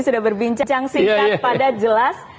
sudah berbincang yang singkat pada jelas